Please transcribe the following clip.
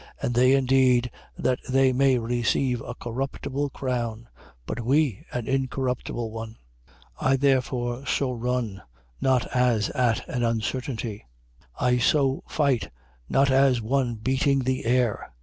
And they indeed that they may receive a corruptible crown: but we an incorruptible one. 9:26. I therefore so run, not as at an uncertainty: I so fight, not as one beating the air.